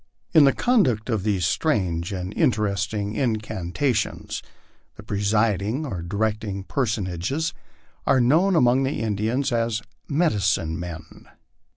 In the conduct of these strange and interesting incanta tions, the presiding or directing personages are known among the Indians as * medicine men."